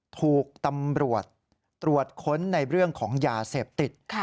ถูกตำรวจตรวจค้นในเรื่องของยาเสพติด